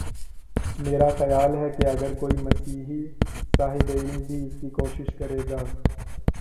میرا خیال ہے کہ اگر کوئی مسیحی صاحب علم بھی اس کی کوشش کرے گا۔